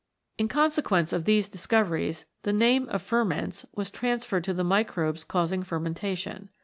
In consequence of these dis coveries the name of ferments was transferred to the microbes causing fermentation.